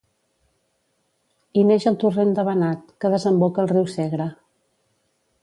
Hi neix el Torrent de Banat, que desemboca al riu Segre.